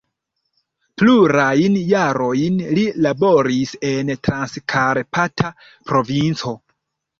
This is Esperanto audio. Plurajn jarojn li laboris en Transkarpata provinco.